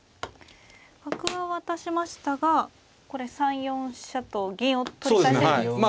角は渡しましたがこれ３四飛車と銀を取り返せるんですね。